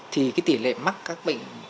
thì cái tỷ lệ mắc các bệnh